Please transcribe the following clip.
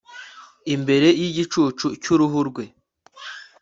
Imbere yigicucu cyuruhu rwe